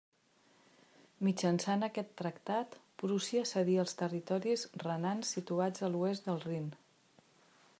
Mitjançant aquest tractat, Prússia cedia els territoris renans situats a l'oest del Rin.